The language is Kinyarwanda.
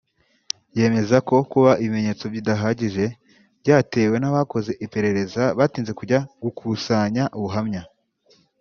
yemeza ko kuba ibimenyetso bidahagije byatewe n’abakoze iperereza batinze kujya gukusanya ubuhamya